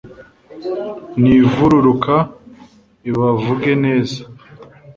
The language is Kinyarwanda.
Nivururuka ibavuge neza!"